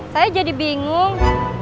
saya jadi bingung